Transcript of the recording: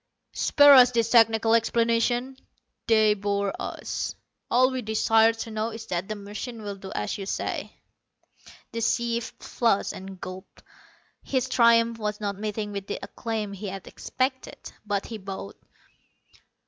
"Spare us these technical explanations. They bore us. All we desire to know is that the machine will do as you say." The chief flushed, and gulped. His triumph was not meeting with the acclaim he had expected. But he bowed.